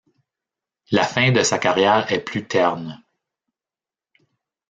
La fin de sa carrière est plus terne.